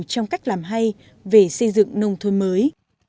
trong cách làm hay về xây dựng nông thôn mới